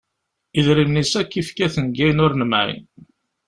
Idrimen-is akk yefka-ten deg ayen ur nemɛin.